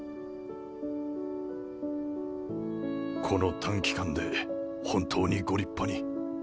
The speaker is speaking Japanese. この短期間で本当にご立派に。